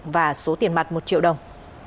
và số tiền mặt một triệu đồng